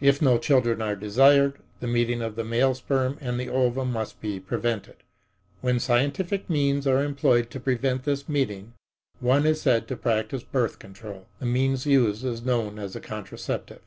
If no children are desired, the meeting of the male sperm and the ovum must be prevented. When scientific means are employed to prevent this meeting, one is said to practice birth control. The means used is known as a contraceptive.